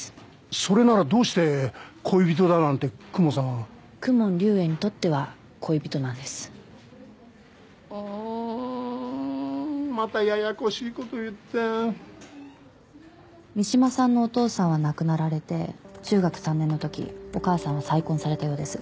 それならどうして恋人だなんて公文さんは公文竜炎にとっては恋人なんですああーまたややこしいこと言って三島さんのお父さんは亡くなられて中学３年のときお母さんは再婚されたようです